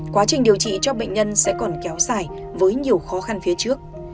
quá trình điều trị cho bệnh nhân sẽ còn kéo dài với nhiều khó khăn phía trước